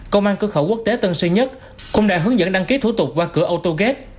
công an cửa khẩu quốc tế tân sơn nhất cũng đã hướng dẫn đăng ký thủ tục qua cửa autogate